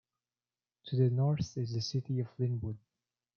To the north is the city of Lynwood.